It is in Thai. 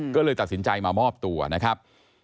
ก็เลยตัดสินใจมามอบตัวนะครับ